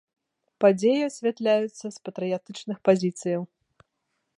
Падзеі асвятляюцца з патрыятычных пазіцыяў.